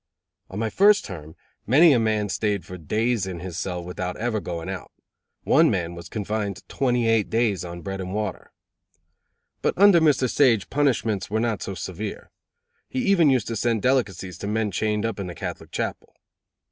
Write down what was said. On my first term many a man staid for days in his cell without ever going out; one man was confined twenty eight days on bread and water. But under Mr. Sage punishments were not so severe. He even used to send delicacies to men chained up in the Catholic Chapel.